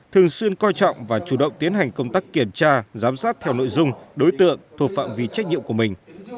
thường xuyên coi trọng và chủ động tiến hành công tác kiểm tra giám sát theo nội dung đối tượng thuộc phạm vi trách nhiệm của mình